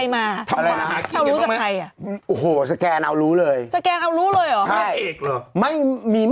แม่เขารู้เนี่ย